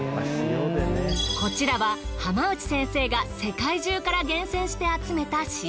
こちらは浜内先生が世界中から厳選して集めた塩。